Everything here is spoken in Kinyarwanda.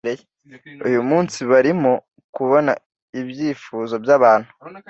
Uyu munsi barimo kubona ibyifuzo byabantu